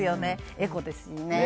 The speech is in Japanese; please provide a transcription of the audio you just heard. エコですしね。